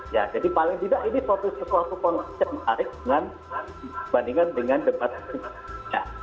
ya jadi paling tidak ini suatu suatu konsep menarik dengan dibandingkan dengan debat sebelumnya